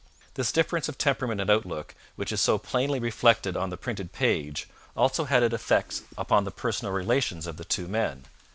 This difference of temperament and outlook, which is so plainly reflected on the printed page, also had its effect upon the personal relations of the two men.